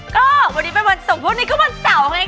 ก็วันนี้เป็นวันศุกร์วันนี้ก็วันเสาไงคะ